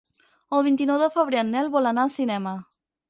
El vint-i-nou de febrer en Nel vol anar al cinema.